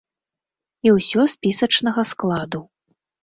І ўсё спісачнага складу.